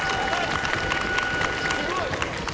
すごい！